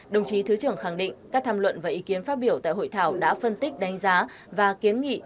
đồng chí thứ trưởng khẳng định các tham luận và ý kiến phát biểu tại hội thảo đã phân tích đánh giá và kiến nghị